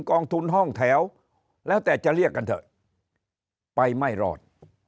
กองทุนห้องแถวแล้วแต่จะเรียกกันเถอะไปไม่รอด